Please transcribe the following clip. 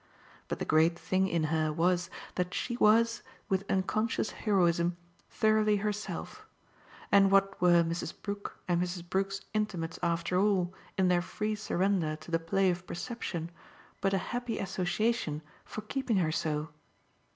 But the great thing in her was that she was, with unconscious heroism, thoroughly herself; and what were Mrs. Brook and Mrs. Brook's intimates after all, in their free surrender to the play of perception, but a happy association for keeping her so?